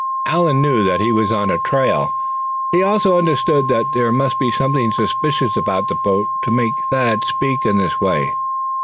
Allan knew that he was on trial. He also understood that there must be something suspicious about the boat to make Thad speak in this way.